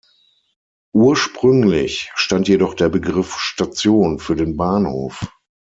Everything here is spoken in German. Ursprünglich stand jedoch der Begriff "Station" für den Bahnhof.